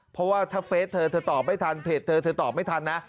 เพราะเฟซเธอตอบไม่ทันเพจเธอตอบไม่ทัน